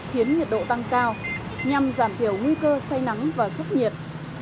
khiến nhiệt độ tăng cao nhằm giảm thiểu nguy cơ say nắng và sốc nhiệt